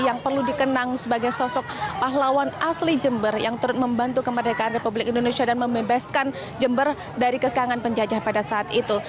yang perlu dikenang sebagai sosok pahlawan asli jember yang turut membantu kemerdekaan republik indonesia dan membebaskan jember dari kekangan penjajah pada saat itu